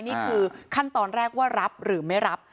นี่คือขั้นตอนแรกว่ารับหรือไม่รับ